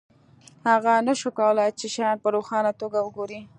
هغه نشوای کولی چې شیان په روښانه توګه وګوري